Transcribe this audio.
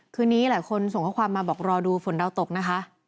คืนนี้หลายคนส่งข้อความมาบอกรอดูฝนดาวตกนะคะ